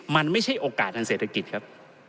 มันไม่ใช่โอกาสทางเศรษฐกิจครับ